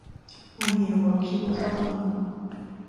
When he awoke he was alone.